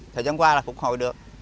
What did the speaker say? thời gian qua là phục hồi được